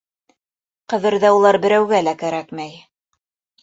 Ҡәберҙә улар берәүгә лә кәрәкмәй!